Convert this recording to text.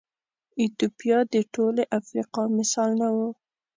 ایتوپیا د ټولې افریقا مثال نه و.